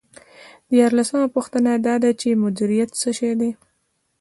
دیارلسمه پوښتنه دا ده چې مدیریت څه شی دی.